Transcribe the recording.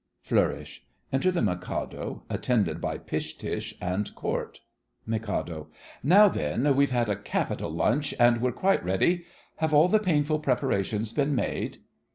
Flourish. Enter the Mikado, attended by Pish Tush and Court. MIK. Now then, we've had a capital lunch, and we're quite ready. Have all the painful preparations been made?